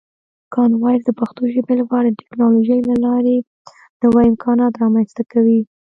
کامن وایس د پښتو ژبې لپاره د ټکنالوژۍ له لارې نوې امکانات رامنځته کوي.